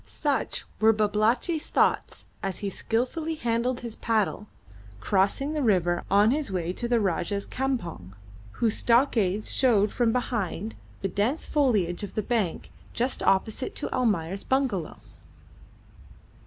Such were Babalatchi's thoughts as he skilfully handled his paddle, crossing the river on his way to the Rajah's campong, whose stockades showed from behind the dense foliage of the bank just opposite to Almayer's bungalow.